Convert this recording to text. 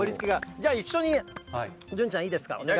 じゃあ一緒に、潤ちゃん、いいですか？